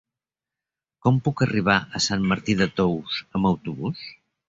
Com puc arribar a Sant Martí de Tous amb autobús?